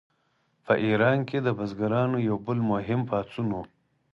په ایران کې د بزګرانو یو بل مهم پاڅون و.